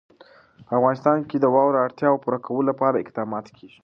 په افغانستان کې د واوره د اړتیاوو پوره کولو لپاره اقدامات کېږي.